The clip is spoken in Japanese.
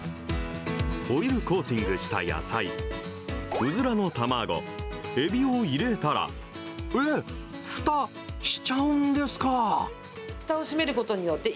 オイルコーティングした野菜、うずらの卵、エビを入れたら、えっ、ふたしちゃうんですか？